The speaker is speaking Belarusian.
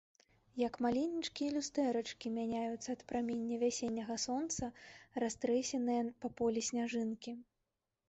Як маленечкія люстэрачкі, мяняюцца ад прамення вясенняга сонца растрэсеныя па полі сняжынкі.